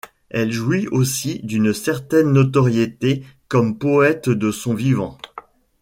Il jouit aussi d'une certaine notoriété comme poète de son vivant.